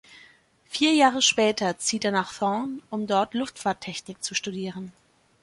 Vier Jahre später zieht er nach Thorn um dort Luftfahrttechnik zu studieren.